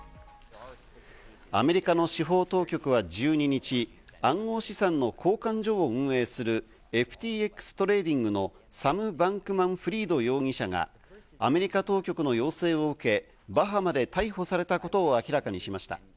アメリカの司法当局は１２日、暗号資産の交換所を運営するＦＴＸトレーディングのサム・バンクマン・フリード容疑者がアメリカ当局の要請を受け、バハマで逮捕されたことを明らかにしました。